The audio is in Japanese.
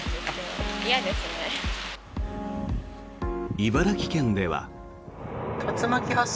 茨城県では。